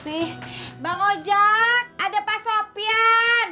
makasih bang ojak ada pak sorpian